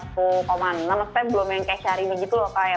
tapi belum yang kayak syahrini gitu loh kak